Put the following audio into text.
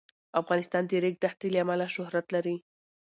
افغانستان د د ریګ دښتې له امله شهرت لري.